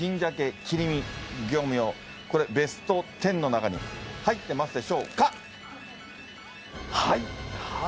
これベスト１０の中に入ってますでしょうか？